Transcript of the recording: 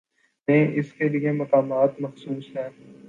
میں اس کے لیے مقامات مخصوص ہیں۔